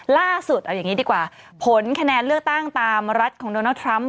ล่าสุดเอาอย่างนี้ดีกว่าผลคะแนนเลือกตั้งตามรัฐของโดนัลดทรัมป